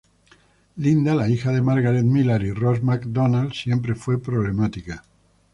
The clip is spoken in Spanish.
Linda, la hija de Margaret Millar y Ross Macdonald, siempre fue problemática.